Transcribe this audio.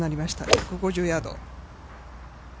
１５０ヤード。